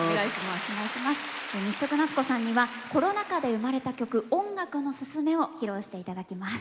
日食なつこさんにはコロナ禍で生まれた曲「音楽のすゝめ」を披露していただきます。